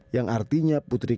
yang artinya putus asa